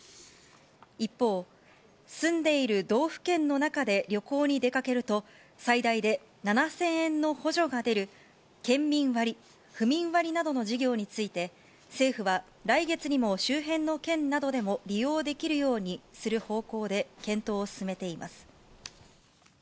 一方、住んでいる道府県の中で旅行に出かけると、最大で７０００円の補助が出る県民割、府民割などの事業について、政府は来月にも周辺の県などでも、利用できるようにする方向で検討を進めています。